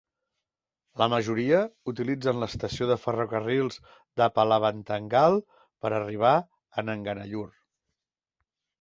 La majoria utilitzen l'estació de ferrocarrils de Palavanthangal per arribar a Nanganallur.